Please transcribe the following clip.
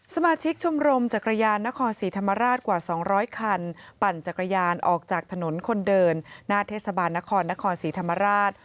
สมาชิกชมรมจักรยานนครศรีธรรมราชกว่า๒๐๐คันปั่นจักรยานออกจากถนนคนเดินหน้าเทศบาลนครนครศรีธรรมราช